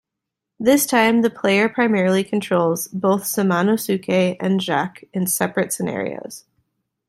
This time the player primarily controls both Samanosuke and Jacques in separate scenarios.